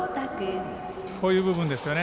こういう部分ですよね。